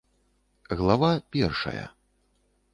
ГЛАВА ПЕРШАЯ.